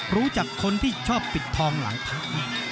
รู้จักคนที่ชอบปิดทองหลังพัก